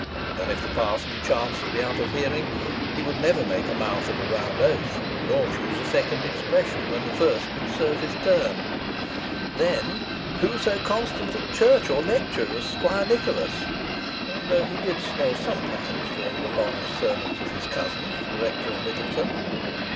And if the parson chanced to be out of hearing, he would never make a mouth at a round oath, nor choose a second expression when the first would serve his turn. Then, who so constant at church or lecture as Squire Nicholas though he did snore sometimes during the long sermons of his cousin, the Rector of Middleton?